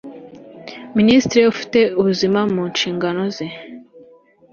Minisitiri ufite Ubuzima mu nshingano ze